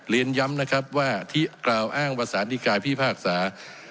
เรียนย้ำนะครับว่าที่กล่าวอ้างว่าสารดีกาพิพากษา